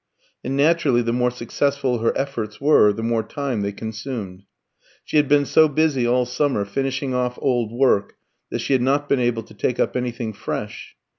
And naturally the more successful her efforts were the more time they consumed. She had been so busy all summer finishing off old work that she had not been able to take up anything fresh.